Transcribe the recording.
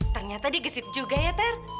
ternyata digesit juga ya ter